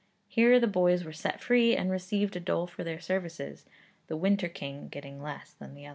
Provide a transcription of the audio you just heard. Here the boys were set free, and received a dole for their services, the winter king getting less than the other.